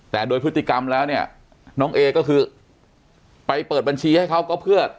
แต่โดยพฤติกรรมแล้วเนี่ยน้องเอก็คือไปเปิดบัญชีให้เขาก็เพื่อ